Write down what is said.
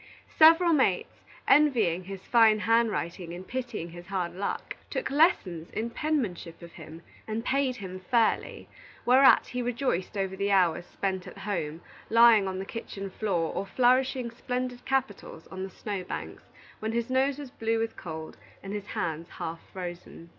Several mates, envying his fine handwriting and pitying his hard luck, took lessons in penmanship of him and paid him fairly, whereat he rejoiced over the hours spent at home, flat on the kitchen floor, or flourishing splendid capitals on the snow banks, when his nose was blue with cold and his hands half frozen.